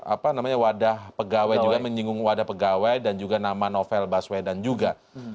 apa namanya wadah pegawai juga menyinggung wadah pegawai dan juga nama novel baswedan juga